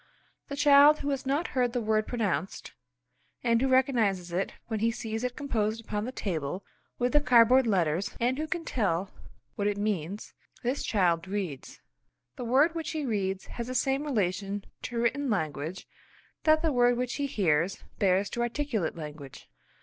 The child who has not heard the word pronounced, and who recognises it when he sees it composed upon the table with the cardboard letters and who can tell what it means; this child reads. The word which he reads has the same relation to written language that the word which he hears bears to articulate language.